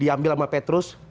diambil sama petrus